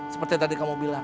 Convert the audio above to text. seperti tadi kamu bilang